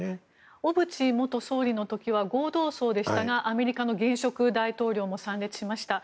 小渕元総理の時は合同葬でしたがアメリカの現職大統領も参列しました。